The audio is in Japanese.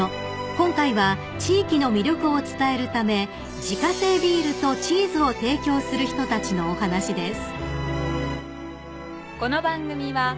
［今回は地域の魅力を伝えるため自家製ビールとチーズを提供する人たちのお話です］